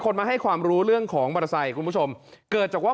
มาให้ความรู้เรื่องของมอเตอร์ไซค์คุณผู้ชมเกิดจากว่า